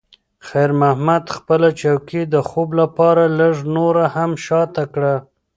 خیر محمد خپله چوکۍ د خوب لپاره لږ نوره هم شاته کړه.